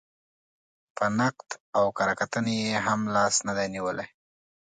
په نقد او کره کتنې یې هم لاس نه دی نېولی.